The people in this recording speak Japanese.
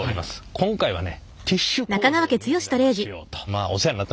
今回はねティッシュ工場にお邪魔しようと。